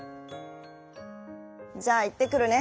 「じゃあいってくるね」。